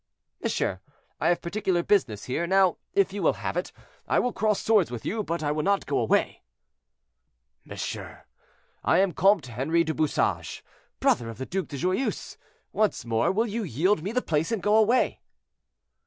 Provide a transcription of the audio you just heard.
"Monsieur, I have particular business here. Now, if you will have it, I will cross swords with you, but I will not go away." "Monsieur, I am Comte Henri du Bouchage, brother of the Duc de Joyeuse. Once more, will you yield me the place, and go away?"